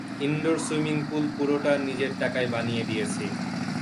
Indoor swimming pool পুরোটা নিজের টাকায় বানিয়ে দিয়েছি।